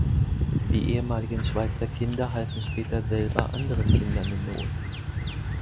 Die ehemaligen Schweizer Kinder halfen später selber anderen Kindern in Not.